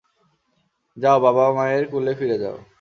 যাও, বাবা-মায়ের কুলে ফিরে যাও।